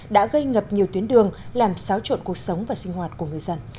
đã gây ngập nhiều tuyến đường làm xáo trộn cuộc sống và sinh hoạt của người dân